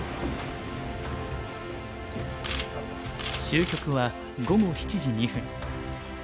終局は午後７時２分。